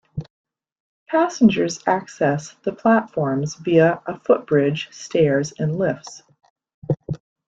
Passengers access the platforms via a footbridge, stairs and lifts.